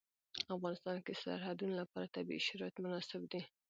په افغانستان کې د سرحدونه لپاره طبیعي شرایط مناسب دي.